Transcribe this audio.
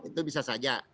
itu bisa saja